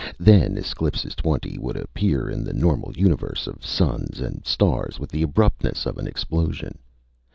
Then Esclipus Twenty would appear in the normal universe of suns and stars with the abruptness of an explosion.